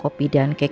kau pengen keluar